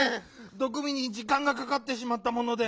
どくみにじかんがかかってしまったもので。